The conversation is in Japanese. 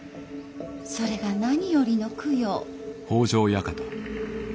それが何よりの供養。